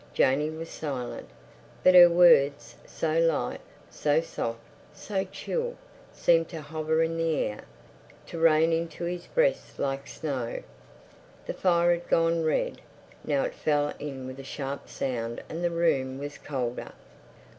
Janey was silent. But her words, so light, so soft, so chill, seemed to hover in the air, to rain into his breast like snow. The fire had gone red. Now it fell in with a sharp sound and the room was colder.